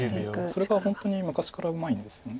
それが本当に昔からうまいんですよね。